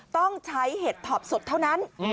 ต้องใช้เห็ดถอบสดเท่านั้น